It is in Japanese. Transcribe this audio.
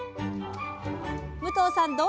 武藤さん